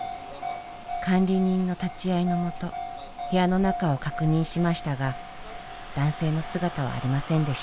管理人の立ち会いの下部屋の中を確認しましたが男性の姿はありませんでした。